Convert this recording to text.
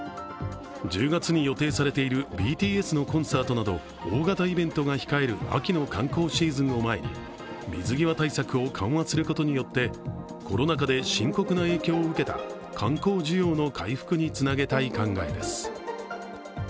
１０月に予定されているＢＴＳのコンサートなど大型イベントが控える秋の観光シーズンを前に水際対策を緩和することによってコロナ禍で深刻な影響を受けた観光需要の回復につなげたい考えです。